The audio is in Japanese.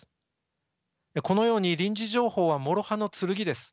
このように臨時情報はもろ刃の剣です。